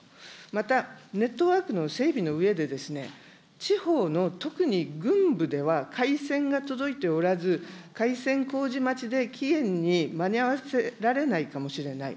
また、ネットワークの整備のうえで、地方の特に郡部では、回線が届いておらず、回線工事待ちで期限に間に合わせられないかもしれない。